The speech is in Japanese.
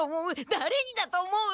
だれにだと思う？